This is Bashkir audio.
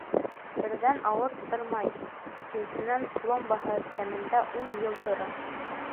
Берҙән, ауырттырмай, икенсенән, пломбаһы кәмендә ун йыл тора.